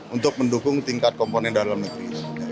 untuk mendukung tingkat komponen dalam negeri